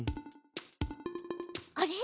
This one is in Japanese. あれ？